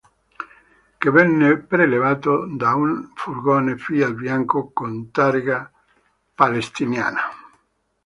Chen venne prelevato da un furgone Fiat bianco con targa israeliana.